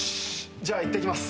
じゃあいってきます。